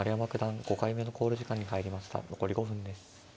残り５分です。